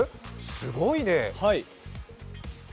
すごいね。